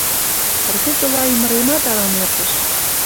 Рвезыла ӱмыремат арам эртыш.